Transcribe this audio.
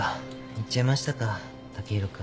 行っちゃいましたか剛洋君。